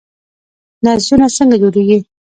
نسجونه څنګه جوړیږي؟